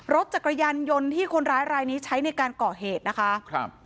รถจักรยานยนต์ที่คนร้ายรายนี้ใช้ในการก่อเหตุนะคะครับ